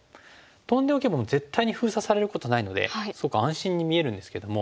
トンでおけばもう絶対に封鎖されることないのですごく安心に見えるんですけども。